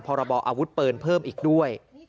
พรบออาวุธปืนเพิ่มอีกด้วย